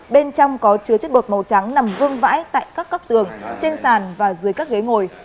bên trong có chứa chất bột màu trắng nằm vương vãi tại các góc tường trên sàn và dưới các ghế ngồi